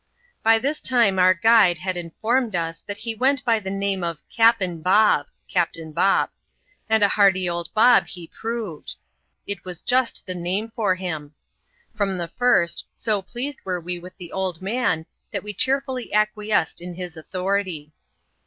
Bj this time our guide had informed us that he went by the naiae of " Capin Bob (Captain Bob) ; and a hearty old Bob he proved. It was just the name for him. From the fii*st, so pleased were we with the old man, that we cheerfully acquiesced in his authprity.